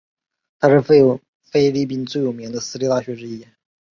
它是菲律宾最有名的私立大学之一。